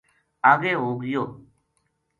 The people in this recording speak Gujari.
اگے ہو گیو